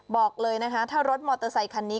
บอกเลยนะคะถ้ารถมอเตอร์ไซคันนี้